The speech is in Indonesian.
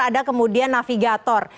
ada kemudian navigator